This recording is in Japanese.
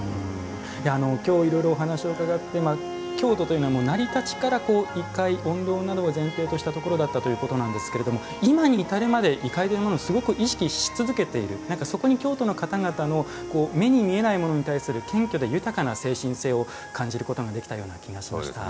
きょう、いろいろお話を伺って京都というのは成り立ちから異界、怨霊などを前提としたところだったということでしたが今に至るまで異界をすごく意識し続けているそこに京都の方々の目に見えないものに対する謙虚で豊かな精神性を感じることができたような気がしました。